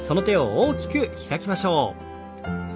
大きく開きましょう。